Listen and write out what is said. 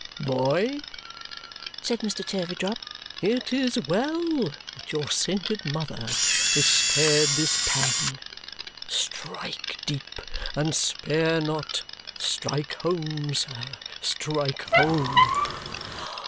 "Boy," said Mr. Turveydrop, "it is well that your sainted mother is spared this pang. Strike deep, and spare not. Strike home, sir, strike home!"